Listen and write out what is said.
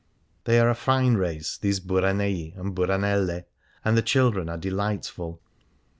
They are a fine race, these " Buranei " and " Buranelle," and the children are delightful.